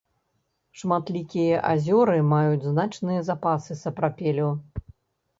Шматлікія азёры маюць значныя запасы сапрапелю.